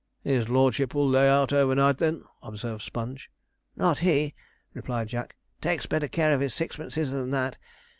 'His lordship will lay out overnight, then?' observed Sponge. 'Not he,' replied Jack. 'Takes better care of his sixpences than that.